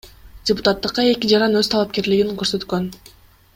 Депутаттыкка эки жаран өз талапкерлигин көрсөткөн.